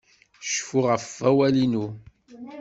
Cfu ɣef wawal-inu!